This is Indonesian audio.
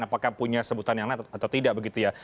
apakah punya sebutan yang lain atau tidak begitu ya